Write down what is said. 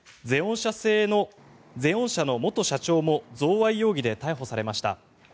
ゼオン社の元社長も贈賄容疑で逮捕されました。